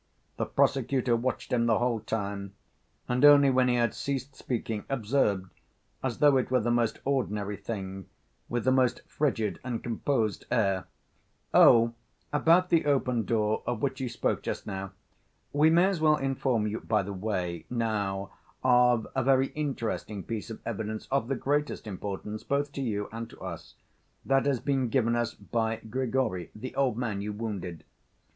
The prosecutor watched him the whole time and only when he had ceased speaking, observed, as though it were the most ordinary thing, with the most frigid and composed air: "Oh, about the open door of which you spoke just now, we may as well inform you, by the way, now, of a very interesting piece of evidence of the greatest importance both to you and to us, that has been given us by Grigory, the old man you wounded.